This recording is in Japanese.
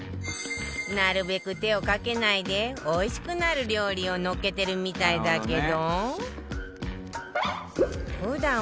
なるべく手をかけないでおいしくなる料理を載っけてるみたいだけど